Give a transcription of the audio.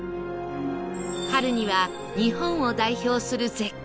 春には日本を代表する絶景が